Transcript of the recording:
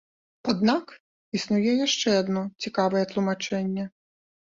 Аднак існуе яшчэ адно цікавае тлумачэнне.